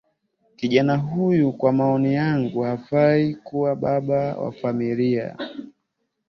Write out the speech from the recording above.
Kijana huyu, kwa maoni yangu, hafai kuwa baba wa familia.